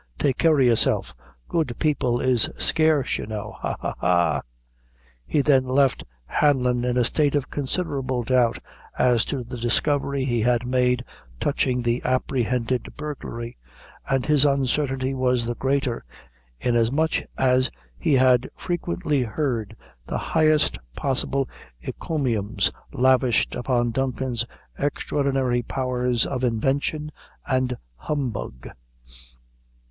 take care of yourself good people is scarce you know ha, ha, ha!" He then left Hanlon in a state of considerable doubt as to the discovery he had made touching the apprehended burglary; and his uncertainty was the greater, inasmuch as he had frequently heard the highest possible encomiums lavished upon Duncan's extraordinary powers of invention and humbug.